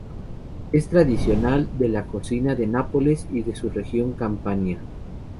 Es tradicional de la cocina de Nápoles y de su región, Campania.